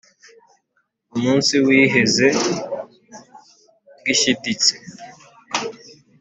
Umunsi wiheze ngishyiditse